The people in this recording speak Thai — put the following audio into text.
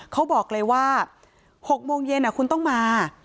เขาบอกเลยว่า๖โมงเย็นคุณต้องมา